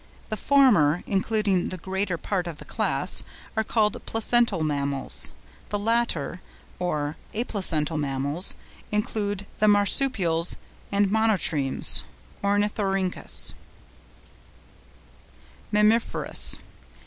The former, including the greater part of the class, are called Placental Mammals; the latter, or Aplacental Mammals, include the Marsupials and Monotremes (Ornithorhynchus). MAMMIFEROUS.